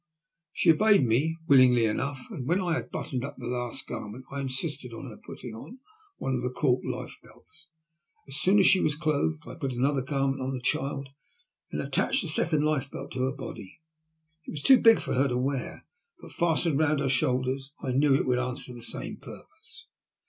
She obeyed me willingly enough, and when I had buttoned the last garment up I insisted on her patting on one of the cork lifebelts. As soon as she was THE WEECK OF THE "FIJI PEINCESS." 149 clothed I put another garment on the child, and then attached the second lifebelt to her body. It was too big for her to wear, but fastened round her shoulders I knew it would answer the same purpose.